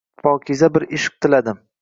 Pokiza bir Ishq tiladim